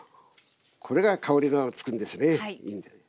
これが香りがつくんですね。